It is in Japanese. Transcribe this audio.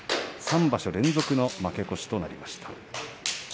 ３場所連続の負け越しとなりました。